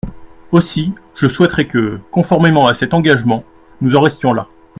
Aussi, je souhaiterais que, conformément à cet engagement, nous en restions là.